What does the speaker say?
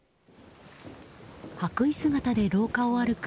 白衣姿で廊下を歩く